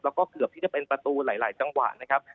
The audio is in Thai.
แล้วก็เกือบที่จะเป็นประตูหลายจังหวะนะครับ